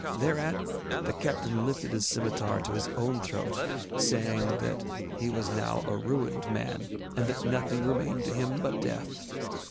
Thereat the captain lifted his scimitar to his own throat, saying that he was now a ruined man, and that nothing remained to him but death.